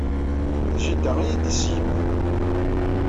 D jida ay iyi-d-yessegman.